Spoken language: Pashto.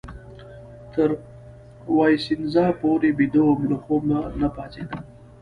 تر وایسینزا پورې بیده وم، له خوبه نه پاڅېدم.